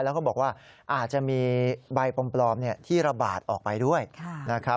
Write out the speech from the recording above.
แล้วก็บอกว่าอาจจะมีใบปลอมที่ระบาดออกไปด้วยนะครับ